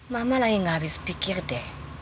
mama lagi tidak habis pikir de